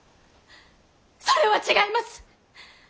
それは違います！